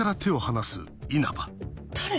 誰？